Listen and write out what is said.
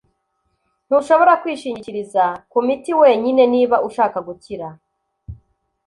Ntushobora kwishingikiriza kumiti wenyine niba ushaka gukira.